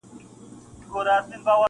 • دبابا زړه يې لا شين ؤ -